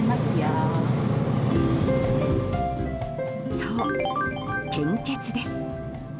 そう、献血です。